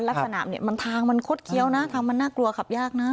ลักษณะเนี่ยมันทางมันคดเคี้ยวนะทางมันน่ากลัวขับยากนะ